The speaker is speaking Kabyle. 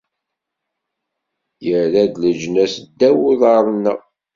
Irra-d leǧnas ddaw n uḍar-nneɣ!